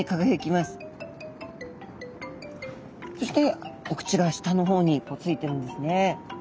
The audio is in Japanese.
そしてお口が下の方についてるんですね。